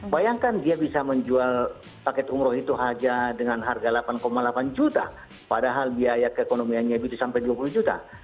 bayangkan dia bisa menjual paket umroh itu hanya dengan harga delapan delapan juta padahal biaya keekonomiannya itu sampai dua puluh juta